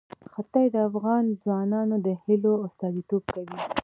ښتې د افغان ځوانانو د هیلو استازیتوب کوي.